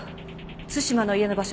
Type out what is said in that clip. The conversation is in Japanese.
津島の家の場所